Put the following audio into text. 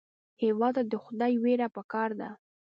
هېواد ته د خدای وېره پکار ده